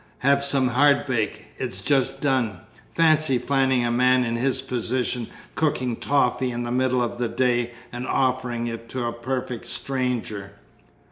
Have some hardbake, it's just done?' Fancy finding a man in his position cooking toffee in the middle of the day, and offering it to a perfect stranger!"